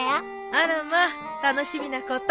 あらまぁ楽しみなこと。